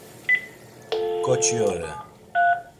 ǩoçi ore!.